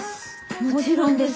もちろんです。